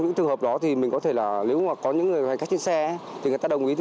những trường hợp đó thì mình có thể là nếu mà có những người phải cách xe thì người ta đồng ý thì